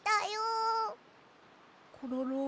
コロロ。